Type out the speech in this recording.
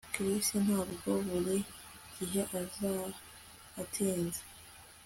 Chris ntabwo buri gihe aza atinze